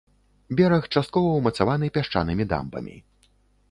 Бераг часткова ўмацаваны пясчанымі дамбамі.